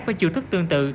với chiêu thức tương tự